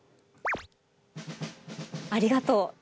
ありがとう。